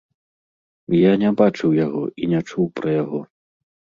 Я не бачыў яго і не чуў пра яго.